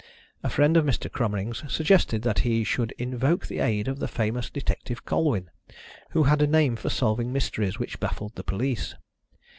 A friend of Mr. Cromering's suggested that he should invoke the aid of the famous detective Colwyn, who had a name for solving mysteries which baffled the police.